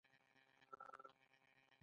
موږ دې دوو استدلالونو ته پام کوو.